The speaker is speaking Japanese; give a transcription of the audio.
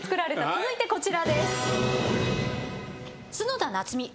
続いてこちらです。